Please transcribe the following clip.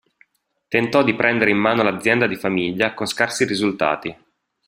Tentò di prendere in mano l'azienda di famiglia, con scarsi risultati.